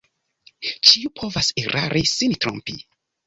Ĉiu povas erari, sin trompi...